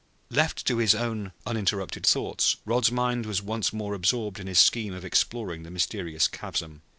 Left to his own uninterrupted thoughts, Rod's mind was once more absorbed in his scheme of exploring the mysterious chasm.